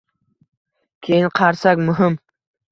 Keyin qarsak muhim…